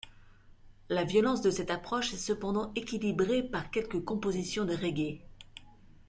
La violence de cette approche est cependant équilibrée par quelques compositions de reggae.